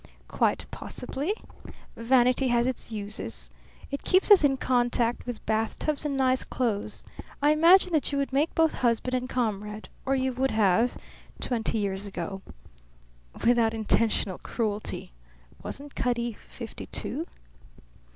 "Quite possibly. Vanity has its uses. It keeps us in contact with bathtubs and nice clothes. I imagine that you would make both husband and comrade; or you would have, twenty years ago" without intentional cruelty. Wasn't Cutty fifty two?